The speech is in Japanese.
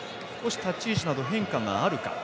立ち位置など変化があるか。